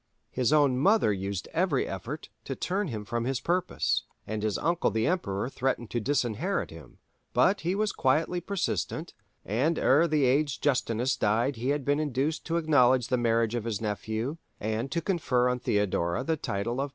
His own mother used every effort to turn him from his purpose, and his uncle the Emperor threatened to disinherit him: but he was quietly persistent, and ere the aged Justinus died he had been induced to acknowledge the marriage of his nephew, and to confer on Theodora the title of "Patrician."